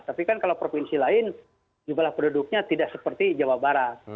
tapi kan kalau provinsi lain jumlah penduduknya tidak seperti jawa barat